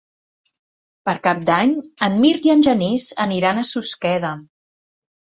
Per Cap d'Any en Mirt i en Genís aniran a Susqueda.